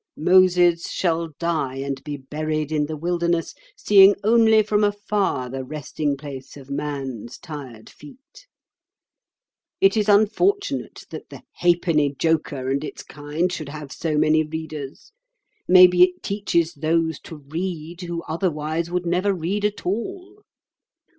Moses shall die and be buried in the wilderness, seeing only from afar the resting place of man's tired feet. It is unfortunate that the Ha'penny Joker and its kind should have so many readers. Maybe it teaches those to read who otherwise would never read at all.